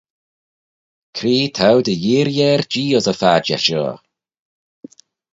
Cre t'ou dy yeearree er Jee ayns y phadjer shoh?